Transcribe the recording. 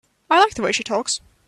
I like the way she talks.